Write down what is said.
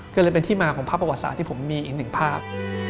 ก็เลยเป็นที่มาของภาพประวัติศาสตร์ที่ผมมีอีกหนึ่งภาพ